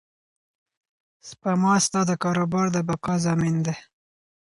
سپما ستا د کاروبار د بقا ضامن ده.